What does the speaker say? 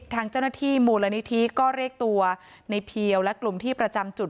ทางเจ้าหน้าที่มูลนิธิก็เรียกตัวในเพียวและกลุ่มที่ประจำจุด